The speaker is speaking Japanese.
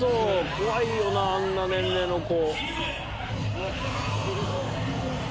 怖いよなあんな年齢の子。